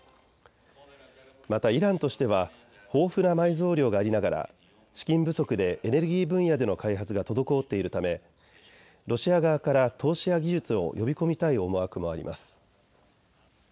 またイランとしては豊富な埋蔵量がありながら資金不足でエネルギー分野での開発が滞っているためロシア側から投資や技術を呼び込みたい思惑もあります。